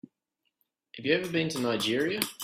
Have you ever been to Nigeria?